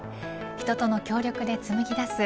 人との協力でつむぎ出す